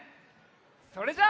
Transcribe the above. それじゃあ。